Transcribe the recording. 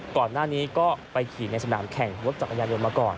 ก่อนหน้านี้ก็ไปขี่ในสนามแข่งรถจักรยานยนต์มาก่อน